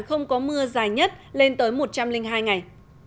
không có mưa dài nhất lên tới một trăm linh hai ngày